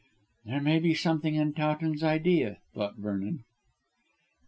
"There may be something in Towton's idea," thought Vernon.